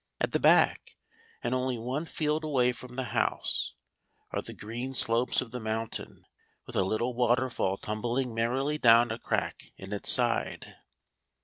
At the back, and only one field away from the house, are the green slopes of the mountain, with a little waterfall tumbling merrily down a crack in its side.